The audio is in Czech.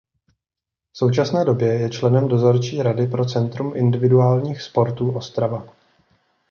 V současné době je členem dozorčí rady pro Centrum individuálních sportů Ostrava.